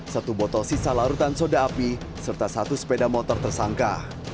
satu botol sisa larutan soda api serta satu sepeda motor tersangka